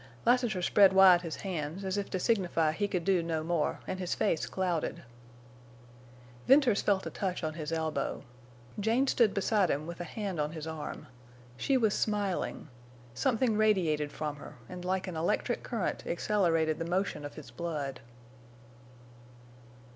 Lassiter spread wide his hands, as if to signify he could do no more, and his face clouded. Venters felt a touch on his elbow. Jane stood beside him with a hand on his arm. She was smiling. Something radiated from her, and like an electric current accelerated the motion of his blood.